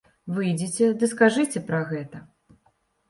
Выйдзеце ды скажыце пра гэта.